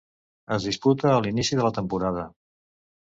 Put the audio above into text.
Es disputa a l'inici de la temporada.